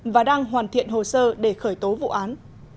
và đang hoàn thiện hồ sơ để khởi tố vụ án